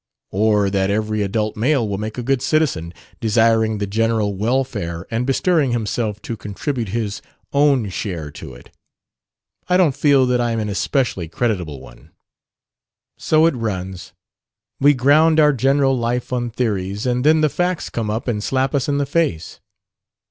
"Or that every adult male will make a good citizen, desiring the general welfare and bestirring himself to contribute his own share to it. I don't feel that I'm an especially creditable one." "So it runs. We ground our general life on theories, and then the facts come up and slap us in the face."